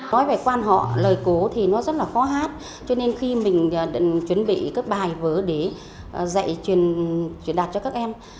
nói về quan họ lời cố thì nó rất là khó hát cho nên khi mình chuẩn bị các bài vở để dạy truyền đạt cho các em